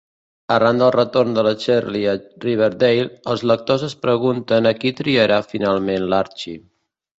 Arran del retorn de la Cheryl a Riverdale, els lectors es pregunten a qui triarà finalment l'Archie.